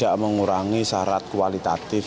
dan juga mengurangi syarat kualitatif dari tenaga